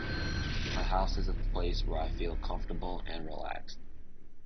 My house is a place where I feel comfortable and relaxed.